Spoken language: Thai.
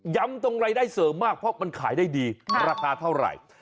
ตรงรายได้เสริมมากเพราะมันขายได้ดีราคาเท่าไหร่